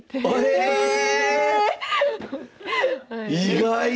意外！